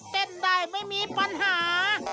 เต้นได้ไม่มีปัญหา